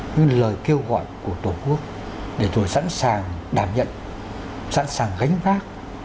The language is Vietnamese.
những lời kêu gọi của tổ quốc để tôi sẵn sàng đảm nhận sẵn sàng gánh vác